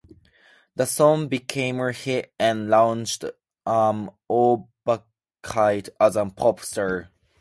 The song became a hit and launched Orbakaite as a pop star.